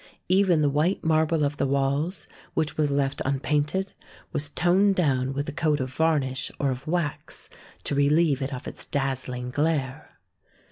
Even the white marble of the walls, which was left unpainted, was toned down with a coat of varnish or of wax to relieve it of its dazzling glare.